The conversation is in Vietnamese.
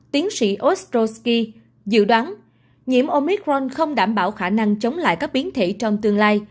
tiến sĩ osdosky dự đoán nhiễm omicron không đảm bảo khả năng chống lại các biến thể trong tương lai